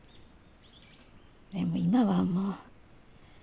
でも今はもう。